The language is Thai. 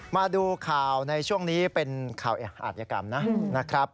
มาดูข่าวในช่วงนี้เป็นข่าวอาจยกรรมนะครับ